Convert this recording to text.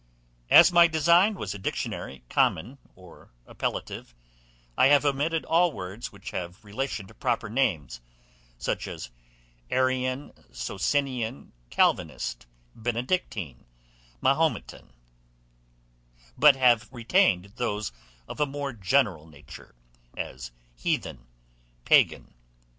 As my design was a dictionary, common or appellative, I have omitted all words which have relation to proper names; such as Arian, Socinian, Calvinist, Benedictine, Mahometan; but have retained those of a more general nature, as Heathen, Pagan.